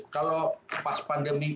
kalau pas pandemi